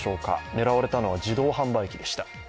狙われたのは自動販売機でした。